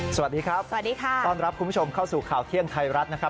สวัสดีครับสวัสดีค่ะต้อนรับคุณผู้ชมเข้าสู่ข่าวเที่ยงไทยรัฐนะครับ